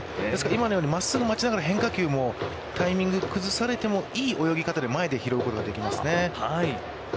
今のような真っすぐを待ちながらタイミング崩されてもいい泳ぎ方で前で拾うことができますね。